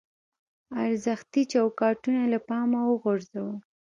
ارزښتي چوکاټونه له پامه وغورځوو.